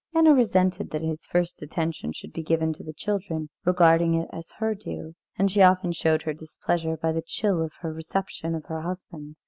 Anna resented that his first attention should be given to the children, regarding it as her due, and she often showed her displeasure by the chill of her reception of her husband.